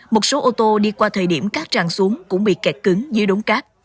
một số ô tô đi qua thời điểm cát tràn xuống cũng bị kẹt cứng dưới đống cát